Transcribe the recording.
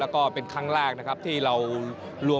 และเป็นครั้งแรกที่เรารวมเมืองทั้ง๔กลุ่ม